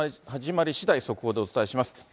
始まりしだい、速報でお伝えします。